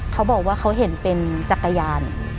เขาบอกว่าเขาเห็นเป็นจักรยาน